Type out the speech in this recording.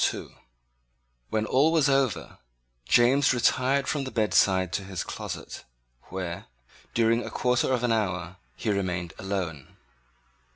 When all was over, James retired from the bedside to his closet, where, during a quarter of an hour, he remained alone.